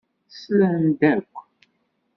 Slan-d akk.